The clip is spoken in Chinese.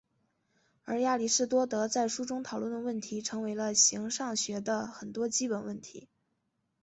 而亚里斯多德在书中讨论的问题成为了形上学的很多基本问题。